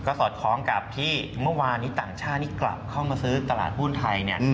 ก็สอดคล้องกับที่เมื่อวานนี้ต่างชาติกลับเข้ามาซื้อตลาดภูมิไทย